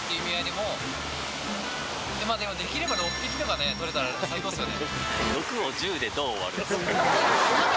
まあでもできれば６匹とかねとれたら最高ですよね